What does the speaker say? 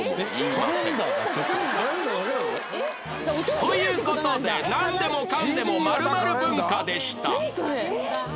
という事でなんでもかんでも○○文化でした